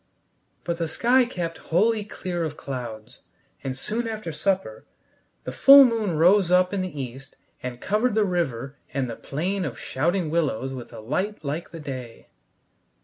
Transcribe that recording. But the sky kept wholly clear of clouds, and soon after supper the full moon rose up in the east and covered the river and the plain of shouting willows with a light like the day.